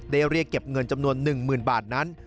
ได้เรียกเก็บเงินจำนวน๑หมื่นบาทนั้น